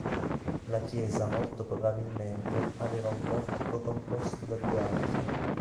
La chiesa molto probabilmente aveva un portico composto da due archi.